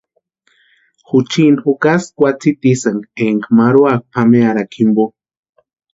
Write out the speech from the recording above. Juchini jukasti kwatsitisïnka énka marhuakʼa pʼamearhakwa jimpo.